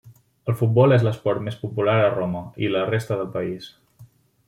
El futbol és l'esport més popular a Roma, i a la resta del país.